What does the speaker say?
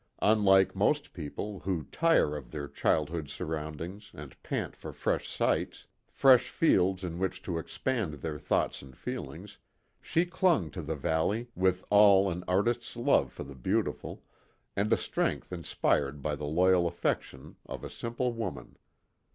Unlike most people, who tire of their childhood's surroundings and pant for fresh sights, fresh fields in which to expand their thoughts and feelings, she clung to the valley with all an artist's love for the beautiful, and a strength inspired by the loyal affection of a simple woman.